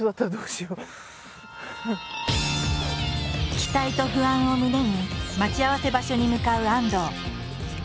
期待と不安を胸に待ち合わせ場所に向かう安藤。